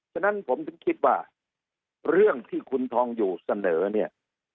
ฉะนั้นผมถึงคิดว่าเรื่องที่คุณทองอยู่เสนอเนี่ย